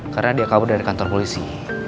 karena dia kabur dari kantor polisi